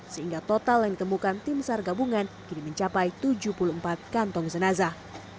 sehingga total yang ditemukan tim sar gabungan kini mencapai tujuh puluh empat kantong jenazah